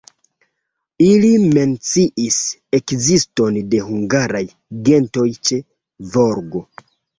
Ili menciis ekziston de hungaraj gentoj ĉe Volgo.